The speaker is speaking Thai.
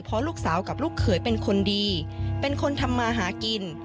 เพราะลูกสาวกับลูกเขยเป็นคนดีเป็นคนทำมาหากิน